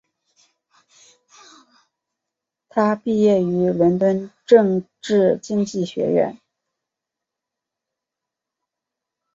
他毕业于伦敦政治经济学院。